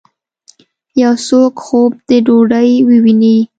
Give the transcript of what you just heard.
یو څوک خوب د ډوډۍ وویني